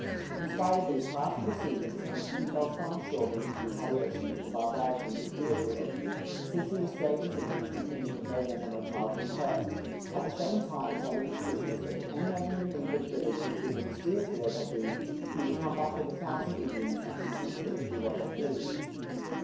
In spite of these harsh proceedings, he fell far short in his retaliation for the barbarities at Deerfield, since he restrained his Indians and permitted no woman or child to be hurt, at the same time telling his prisoners that if any other New England village were treated as Deerfield had been, he would come back with a thousand Indians and leave them free to do what they pleased.